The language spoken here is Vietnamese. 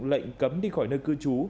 lệnh cấm đi khỏi nơi cư trú